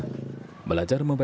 belajar membaca dan membaca